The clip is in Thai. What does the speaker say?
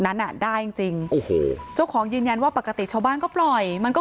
นั้นอ่ะได้จริงจริงโอ้โหเจ้าของยืนยันว่าปกติชาวบ้านก็ปล่อยมันก็